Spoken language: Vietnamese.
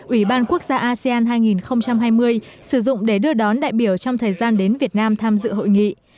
ủy ban quốc gia asean hai nghìn hai mươi sử dụng để đưa đón đại biểu trong thời gian đến việt nam tham dự hội nghị